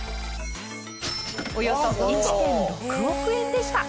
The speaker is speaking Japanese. およそ１．６億円でした。